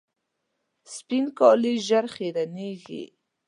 سپین کالي ژر خیرنېږي.